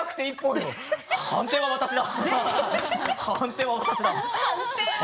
判定は私だ。